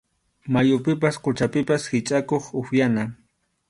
Mayupipas quchapipas hichʼakuq upyana.